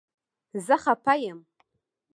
زه خفه یم